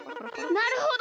なるほど。